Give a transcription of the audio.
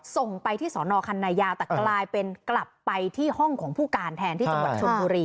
ส่งไปที่สอนอคันนายาวแต่กลายเป็นกลับไปที่ห้องของผู้การแทนที่จังหวัดชนบุรี